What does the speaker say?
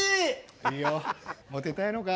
いいよモテたいのか。